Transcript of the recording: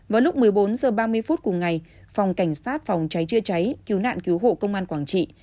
vào lúc một mươi bốn h ba mươi phút cùng ngày phòng cảnh sát phòng cháy chữa cháy cứu nạn cứu hộ công an quảng trị